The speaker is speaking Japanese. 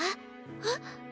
えっ？